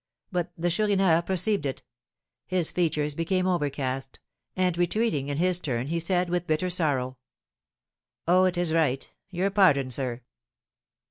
But the Chourineur perceived it; his features became overcast, and, retreating in his turn, he said, with bitter sorrow, "Oh, it is right; your pardon, sir!"